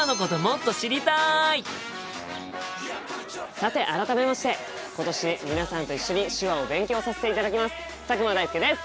さて改めまして今年皆さんと一緒に手話を勉強させていただきます佐久間大介です！